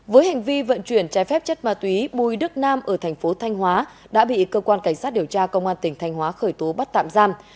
với hành vi vận chuyển trái phép chất ma túy bùi đức nam ở thành phố thanh hóa đã bị cơ quan cảnh sát điều tra công an tỉnh thanh hóa khởi tố bắt tạm giam